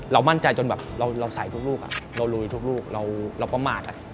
มั่นใจจนแบบเราใส่ทุกลูกเราลุยทุกลูกเราประมาท